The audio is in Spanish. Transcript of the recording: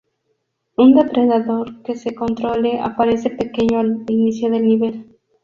Un depredador que se controle aparece pequeño al inicio del nivel.